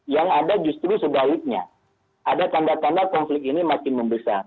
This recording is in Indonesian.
yang ada justru sebaliknya ada tanda tanda konflik ini makin membesar